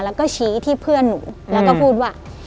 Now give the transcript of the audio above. แล้วก็ชี้ที่เพื่อนหนูแล้วก็พูดว่า